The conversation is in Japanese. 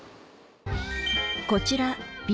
こちらＢ−